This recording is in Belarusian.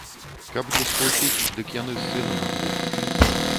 Каб не схлусіць, дык яны з сынам удвух.